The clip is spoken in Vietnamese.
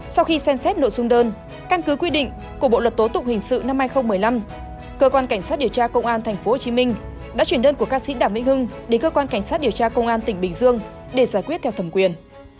sau khi xem xét nội dung đơn căn cứ quy định của bộ luật tố tụng hình sự năm hai nghìn một mươi năm cơ quan cảnh sát điều tra công an tp hcm đã chuyển đơn của ca sĩ đàm minh hưng đến cơ quan cảnh sát điều tra công an tỉnh bình dương để giải quyết theo thẩm quyền